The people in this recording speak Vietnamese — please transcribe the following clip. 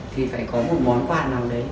thì phải có một món quà nào đấy